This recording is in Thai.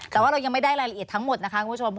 แต่ว่าเรายังไม่ได้รายละเอียดทั้งหมดนะคะคุณผู้ชม